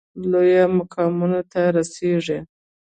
لویو مقامونو ته رسیږي.